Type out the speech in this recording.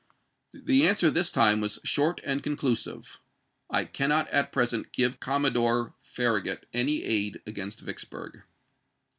The answer this time was short and Vol. XVII., conclusive. " I cannot at present give Commodore p. 97. " Farragut any aid against Vicksburg."